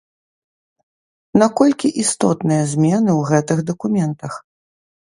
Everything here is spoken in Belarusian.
На колькі істотныя змены ў гэтых дакументах?